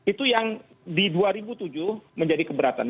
itu yang di dua ribu tujuh menjadi keberatan